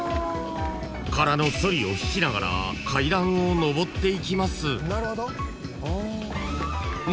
［空のソリを引きながら階段を上っていきます］